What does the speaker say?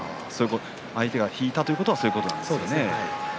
相手が引いたというのはそういうことですね。